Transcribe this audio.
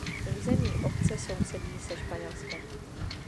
Území obce sousedí se Španělskem.